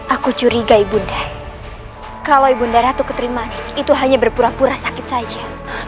aku curiga ibunda kalau ibunda ratu keterima itu hanya berpura pura sakit saja